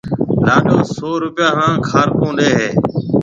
لاڏو سئو روپيا ھان کارڪون ڏَي ھيََََ